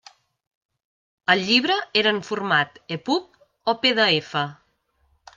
El llibre era en format EPUB o PDF?